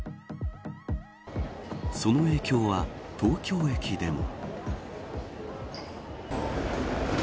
その影響は東京駅でも。